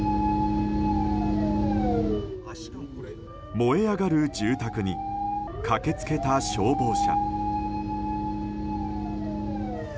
燃え上がる住宅に駆け付けた消防車。